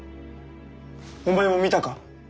お前も見たか？